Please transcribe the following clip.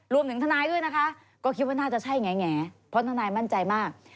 รวมถึงทนายด้วยนะคะก็คิดว่าน่าจะใช่แง่เพราะทนายมั่นใจมาก